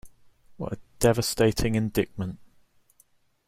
What a devastating indictment.